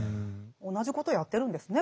同じことやってるんですね